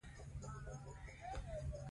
که زه ناکام شوم، بیا به هڅه وکړم.